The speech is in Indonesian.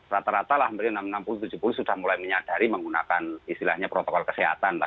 rata rata lah mungkin enam puluh tujuh puluh sudah mulai menyadari menggunakan istilahnya protokol kesehatan